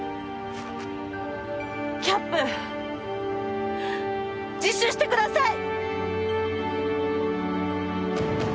キャップ自首してください！